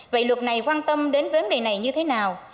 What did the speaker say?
vậy luật này quan tâm đến vấn đề này như thế nào